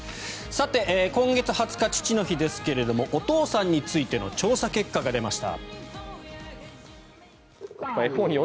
今月２０日は父の日ですがお父さんについての調査結果が出ました。